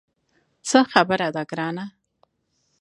څه خبره ده ګرانه.